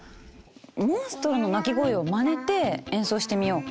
モンストロの鳴き声をまねて演奏してみよう。